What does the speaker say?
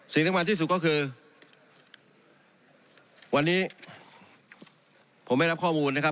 สิ่งสำคัญที่สุดก็คือวันนี้ผมไม่รับข้อมูลนะครับ